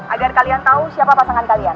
agar kalian tahu siapa pasangan kalian